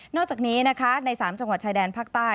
อกจากนี้นะคะใน๓จังหวัดชายแดนภาคใต้